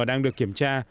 đang được kiểm tra